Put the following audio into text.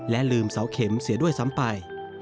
ลืมเสาเข็มเสียด้วยซ้ำไป